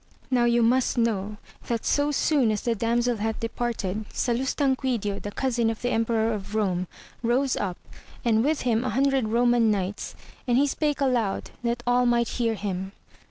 Now you must know that so soon as the damsel had AMADIS OF GAUL. 31 departed; Salustanquidio, the cousin of the Emperor of Rome, rose up, and with him a hundred Eoman knights, and he spake aloud that all might hear him.